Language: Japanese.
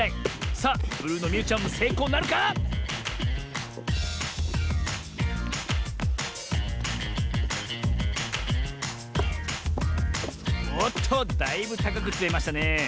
さあブルーのみゆちゃんもせいこうなるか⁉おっとだいぶたかくつめましたねえ。